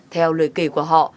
theo lời kể của họ